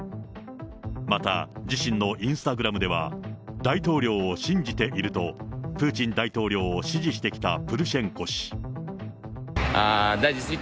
また、自身のインスタグラムでは大統領を信じていると、プーチン大統領を支持してきたプルシェンコ氏。